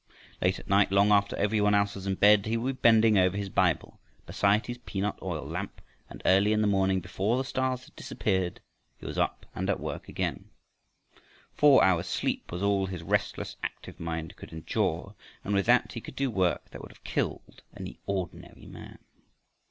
Late at night, long after every one else was in bed, he would be bending over his Bible, beside his peanut oil lamp, and early in the morning before the stars had disappeared he was up and at work again. Four hours' sleep was all his restless, active mind could endure, and with that he could do work that would have killed any ordinary man.